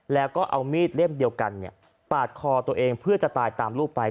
แล้วก็เอามีดเล่มเดียวกันปาดคอตัวเองเพื่อจะตายตามลูกไป